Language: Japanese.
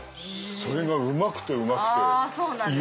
それがうまくてうまくて。